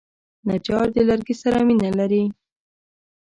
نجار د لرګي سره مینه لري.